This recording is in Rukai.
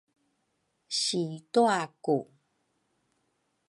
situa ku